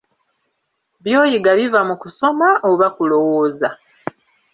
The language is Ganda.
By'oyiga biva mu kusoma oba kulowooza?